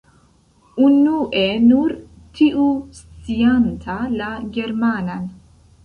Unue, nur tiu scianta la germanan.